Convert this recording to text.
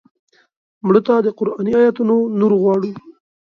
مړه ته د قرآني آیتونو نور غواړو